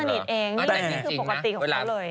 นี่คือปกติของเขาเลย